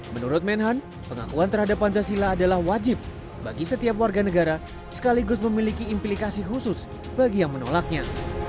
menurut menhan pengakuan terhadap pancasila adalah wajib bagi setiap warga negara sekaligus memiliki implikasi khusus bagi yang menolaknya